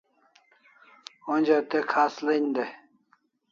Onja te khas len dai